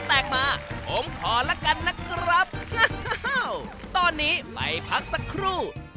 แบบไหนราคาถูกที่สุดคะ